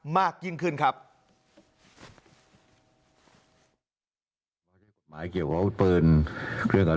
มากยิ่งขึ้นครับ